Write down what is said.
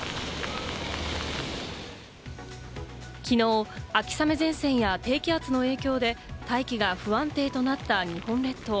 きのう秋雨前線や低気圧の影響で大気が不安定となった日本列島。